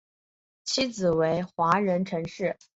妻子为华人陈氏。